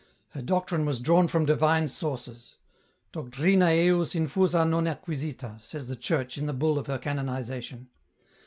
Her doctrine was drawn from divine sources. * Doctrina ejus infusa non acquisita,' says the Church in the bull of her canonization.